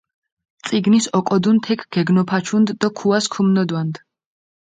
წინგის ოკოდუნ თექ გეგნოფაჩუნდჷ დო ქუას ქუმნოდვანდჷ.